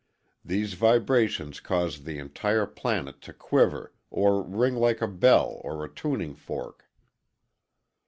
These vibrations cause the entire planet to quiver or ring like a bell or a tuning fork.